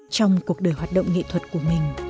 trong cuộc đời hoạt động nghệ thuật của mình